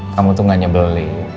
kamu tuh gak nyebelin